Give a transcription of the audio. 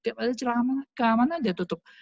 tiap ada celaka amanan dia tutup